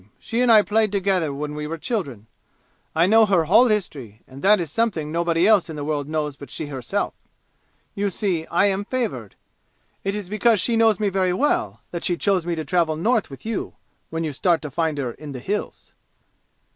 She and I played together when we were children. I know her whole history and that is something nobody else in the world knows but she herself. You see, I am favored. It is because she knows me very well that she chose me to travel North with you, when you start to find her in the 'Hills'!"